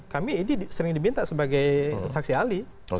kami idy sering dibinta sebagai saksi ahli